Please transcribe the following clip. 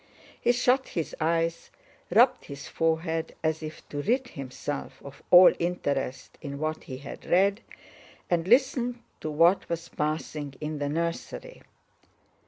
He shut his eyes, rubbed his forehead as if to rid himself of all interest in what he had read, and listened to what was passing in the nursery.